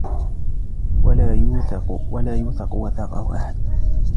ولا يوثق وثاقه أحد